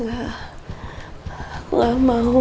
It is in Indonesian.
aku gak mau